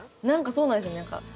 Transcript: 何かそうなんですよ何か。